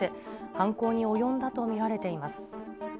犯行に及んだと見られています。